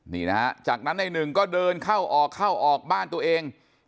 นี่นะฮะจากนั้นในหนึ่งก็เดินเข้าออกเข้าออกบ้านตัวเอง